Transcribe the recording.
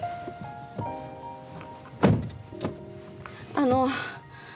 あの。